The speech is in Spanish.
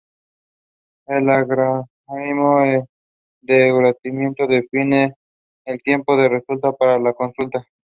El algoritmo de enrutamiento define el tiempo de respuesta para la consulta.